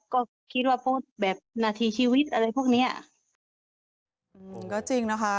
ก็แค่คิดว่าโพสต์แบบนาทีชีวิตอะไรพวกเนี้ยอืมก็จริงนะคะ